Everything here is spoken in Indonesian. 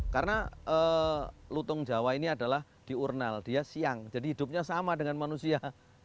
karena lutung jawa ini adalah diurnal dia siang jadi hidupnya sama dengan manusia